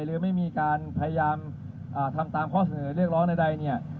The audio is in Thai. หรือไม่มีการพยายามทำตามข้อเสนอเรียกร้องใดเนี่ย